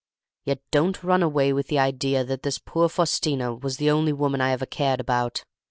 Yet don't run away with the idea that this poor Faustina was the only woman I ever cared about.